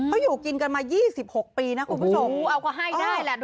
เขาอยู่กินกันมา๒๖ปีนะคุณผู้ชมเอาก็ให้ได้แหละ